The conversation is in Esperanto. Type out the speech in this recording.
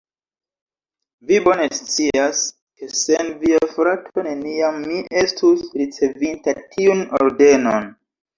Vi bone scias, ke sen via frato neniam mi estus ricevinta tiun ordenon.